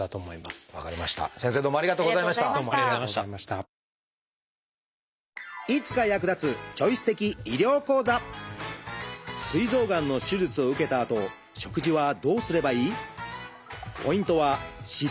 すい臓がんの手術を受けたあと食事はどうすればいい？